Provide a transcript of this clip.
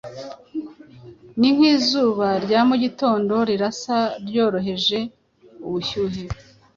Ni nk'izuba rya mu gitondo Lirasa ryoroheje ubushyuhe